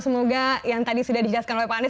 semoga yang tadi sudah dijelaskan oleh pak anies